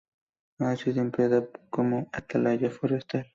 Ha sido empleada como atalaya forestal.